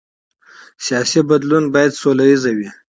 سیاسي بدلون باید سوله ییز وي